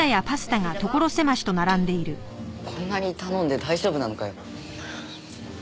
こんなに頼んで大丈夫なのかよ。